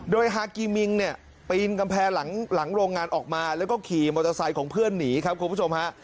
โดยฮากีมิงเนี่ยปีนกำแพงหลังโรงงานออกมาแล้วก็ขี่มอเตอร์ไซค์ของเพื่อนหนีครับคุณผู้ชมฮะ